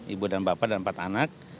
ibu dan bapak dan empat anak